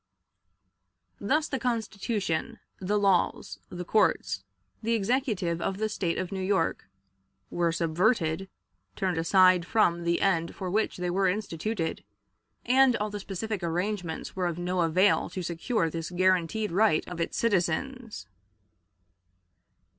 Thus the Constitution, the laws, the courts, the Executive of the State of New York, were subverted, turned aside from the end for which they were instituted, and all the specific arrangements were of no avail to secure this guaranteed right of its citizens.